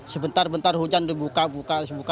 sebentar bentar hujan dibuka buka